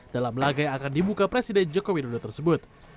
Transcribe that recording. dalam laga yang akan dibuka presiden joko widodo tersebut